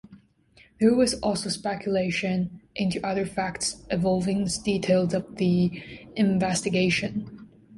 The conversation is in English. There was also speculation into other facts involving the details of the investigation.